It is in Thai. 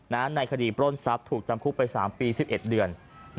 ในคดีปล้นทรัพย์ถูกจำคุกไป๓ปี๑๑เดือน